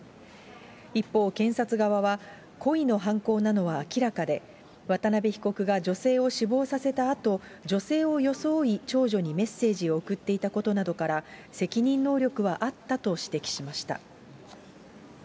一方、検察側は故意の犯行なのは明らかで、渡部被告が女性を死亡させたあと、女性を装い、長女にメッセージを送っていたことなどから、責任能力はあったと指摘しました。